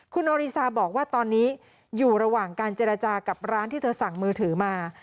คุณโอริซาบอกว่าตอนนี้อยู่ระหว่างการเจรจากับร้านที่เธอสั่งมือถือมา